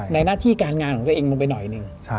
หน้าที่การงานของตัวเองลงไปหน่อยหนึ่ง